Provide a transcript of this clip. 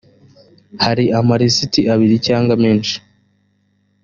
hari amalisiti abiri cyangwa menshi